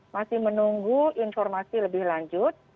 masih menunggu informasi lebih lanjut